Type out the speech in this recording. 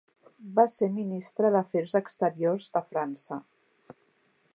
Va ser ministra d'Afers exteriors de França.